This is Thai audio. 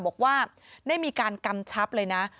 บอกว่าได้มีการกำชับเลยนะ